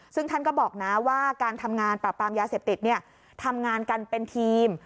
ซึ่งท่านก็บอกนะว่าการทำงานปราบปรามยาเสพติดทำงานกันเป็นทีม